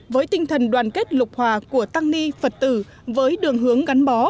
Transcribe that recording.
với tinh thần đoàn kết lục hòa của tăng ni phật tử với đường hướng gắn bó